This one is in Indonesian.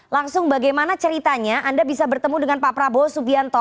langsung bagaimana ceritanya anda bisa bertemu dengan pak prabowo subianto